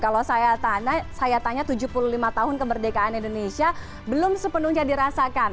kalau saya tanya tujuh puluh lima tahun kemerdekaan indonesia belum sepenuhnya dirasakan